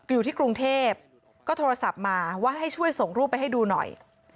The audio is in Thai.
อยู่ที่กรุงเทพก็โทรศัพท์มาว่าให้ช่วยส่งรูปไปให้ดูหน่อย